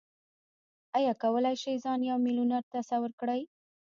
ايا کولای شئ ځان يو ميليونر تصور کړئ؟